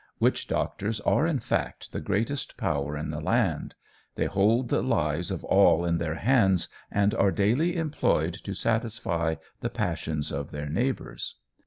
Witch doctors are, in fact, the greatest power in the land; they hold the lives of all in their hands, and are daily employed to satisfy the passions of their neighbours.